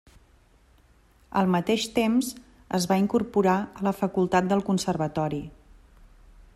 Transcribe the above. Al mateix temps, es va incorporar a la facultat del conservatori.